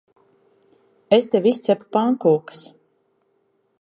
Es tev izcepu pankūkas.